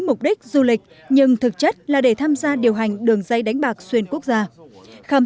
mục đích du lịch nhưng thực chất là để tham gia điều hành đường dây đánh bạc xuyên quốc gia khám